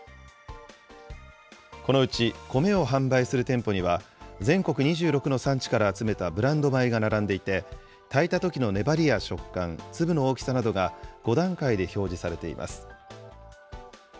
このうち米を販売する店舗には、全国２６の産地から集めたブランド米が並んでいて、炊いたときの粘りや食感、粒の大きさなどが５段階で表示されています。